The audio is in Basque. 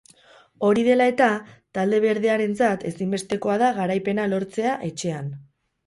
Hori dela eta, talde berdearentzat ezinbestekoa da garaipena lortzea etxean.